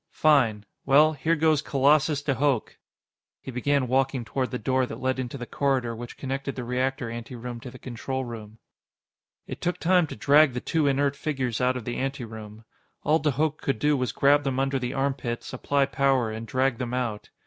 "Fine. Well, here goes Colossus de Hooch." He began walking toward the door that led into the corridor which connected the reactor anteroom to the control room. It took time to drag the two inert figures out of the anteroom. All de Hooch could do was grab them under the armpits, apply power, and drag them out.